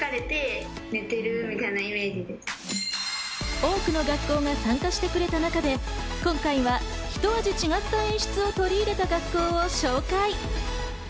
多くの学校が参加してくれた中で今回はひと味違った演出を取り入れた学校をご紹介。